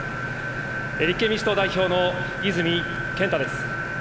立憲民主党代表の泉健太です。